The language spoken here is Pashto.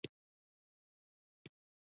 مقناطیس د شمال او جنوب دوه قطبونه لري.